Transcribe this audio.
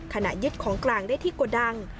ยึดของกลางได้ที่โกดัง